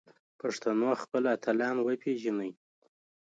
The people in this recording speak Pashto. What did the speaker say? پښتنو خپل اتلان وپیژني